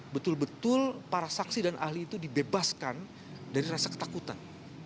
betul betul para saksi dan ahli itu dibebaskan dari rasa ketakutan